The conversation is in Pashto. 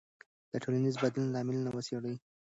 د ټولنیز بدلون لاملونه وڅېړئ.